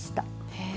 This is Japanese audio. へえ。